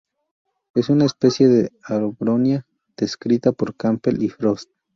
Es una especie de Abronia descrita por Campbell y Frost.